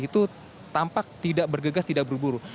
itu tampak tidak bergegas tidak buru buru